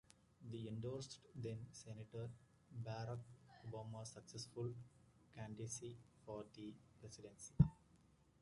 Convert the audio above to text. He endorsed then-Senator Barack Obama's successful candidacy for the presidency.